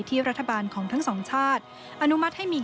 ที่รัฐบาลของทั้งสองชาติ